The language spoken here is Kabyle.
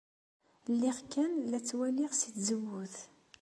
Lliɣ kan la ttwaliɣ seg tzewwut.